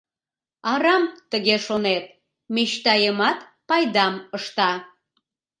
Арам тыге шонет, мечтайымат пайдам ышта.